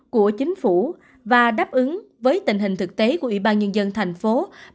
tám hai nghìn hai mươi một của chính phủ và đáp ứng với tình hình thực tế của ủy ban nhân dân tp hcm